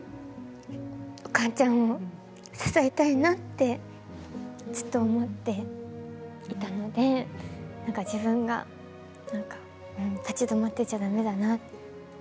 お母ちゃんを支えたいなってずっと思っていたので自分が立ち止まってちゃだめだな。